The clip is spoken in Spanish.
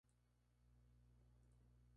En el juego participan seis jugadores por equipo.